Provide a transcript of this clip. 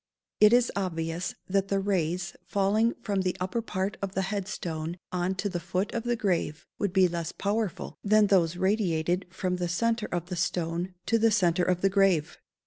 It is obvious that the rays falling from the upper part of the head stone on to the foot of the grave would be less powerful than those that radiated from the centre of the stone to the centre of the grave.